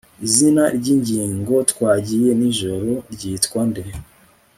izina ryingingo twagiye nijoro ryitwa nde